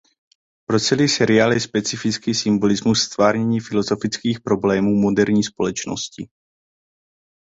Pro celý seriál je specifický symbolismus v ztvárnění filosofických problémů moderní společnosti.